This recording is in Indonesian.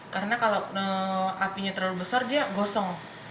karena kalau apinya terlalu besar dia gosong